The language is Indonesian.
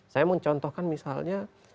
saya mencontohkan misalnya